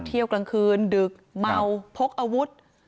เที่ยวกลางคืนดึกเมาพกอาวุธ